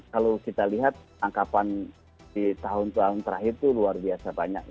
kalau kita lihat angkapan di tahun tahun terakhir itu luar biasa banyak